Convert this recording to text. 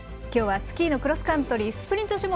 今日はスキーのクロスカントリースプリント